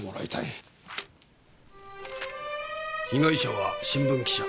被害者は新聞記者。